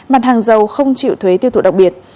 mặt hàng dầu không chịu thuế tiêu thụ đặc biệt